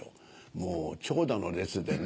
もう長蛇の列でね